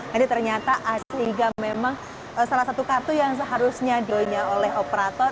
jadi ternyata a tiga memang salah satu kartu yang seharusnya diunyah oleh operator